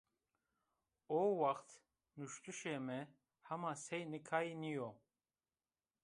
O wext nuştişê mi hema sey nikayî nîyo.